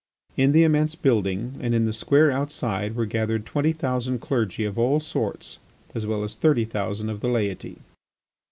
In the immense building and in the square outside were gathered twenty thousand clergy of all sorts, as well as thirty thousand of the laity.